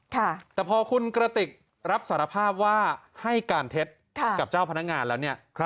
แต่พอคุณกระติกรับสารภาพว่าให้การเท็จกับเจ้าพนักงานแล้วเนี่ย